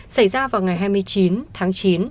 xảy ra vào ngày hai mươi chín tháng chín